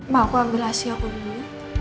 ma aku ambil asih aku dulu ya